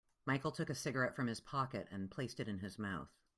Michael took a cigarette from his pocket and placed it in his mouth.